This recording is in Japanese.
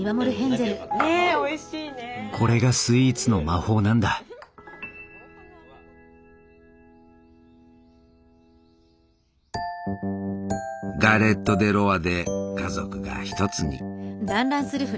これがスイーツの魔法なんだガレット・デ・ロワで家族が一つに。